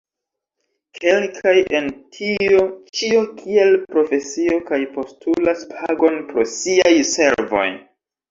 Kelkaj en tio ĉio kiel profesio kaj postulas pagon pro siaj servoj.